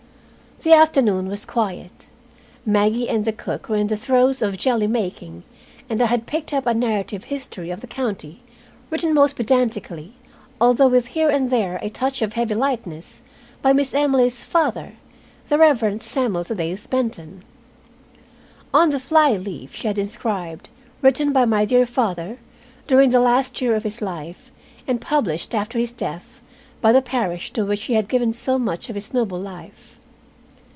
The afternoon was quiet. Maggie and the cook were in the throes of jelly making, and I had picked up a narrative history of the county, written most pedantically, although with here and there a touch of heavy lightness, by Miss Emily's father, the Reverend Samuel Thaddeus Benton. On the fly leaf she had inscribed, "Written by my dear father during the last year of his life, and published after his death by the parish to which he had given so much of his noble life."